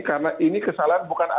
karena ini kesalahan bukan untuk